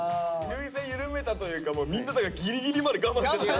涙腺緩めたというかもうみんなギリギリまで我慢してたんでしょ？